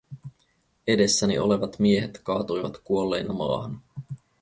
Edessäni olevat miehet kaatuivat kuolleina maahan.